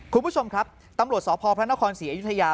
คุณผู้ชมครับตำรวจสพศศิยุธยา